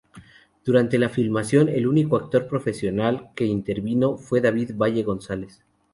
Durante la filmación, el único actor profesional que intervino fue David Valle González.